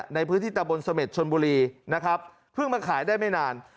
ในพื้นที่ตะบนสเม็ดชนบุรีพึ่งมาขายได้ไม่นาน